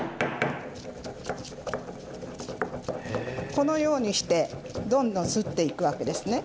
このようにしてどんどんすっていくわけですね。